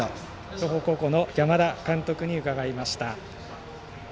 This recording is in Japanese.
東邦高校の山田監督に伺いました。